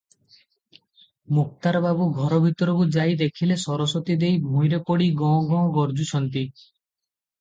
ମୁକ୍ତାର ବାବୁ ଘର ଭିତରକୁ ଯାଇ ଦେଖିଲେ, ସରସ୍ୱତୀ ଦେଈ ଭୂଇଁରେ ପଡି ଗଁ ଗଁ ଗର୍ଜୁଛନ୍ତି ।